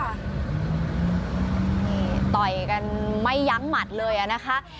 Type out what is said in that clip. นี่ต่อยกันไม่ยั้งหมัดเลยอะนะคะ